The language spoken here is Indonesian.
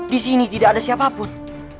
disini tidak ada siapapun